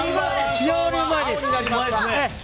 非常にうまいです。